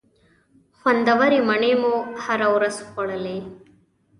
خوندورې مڼې مو هره ورځ خوړلې.